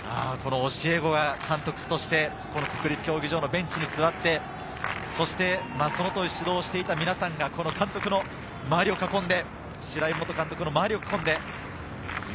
教え子が監督として国立競技場のベンチに座って、そして、その時、指導していた皆さんが監督の周りを囲んで白井元監督の周りを囲んで。